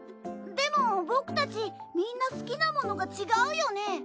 でも僕たちみんな好きなものが違うよね。